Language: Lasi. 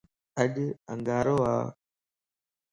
اڄ انڳارو ا